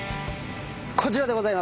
こちらでございます。